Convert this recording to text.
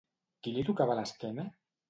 Qui li tocava l'esquena?